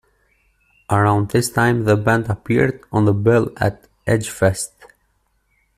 Around this time the band appeared on the bill at Edgefest.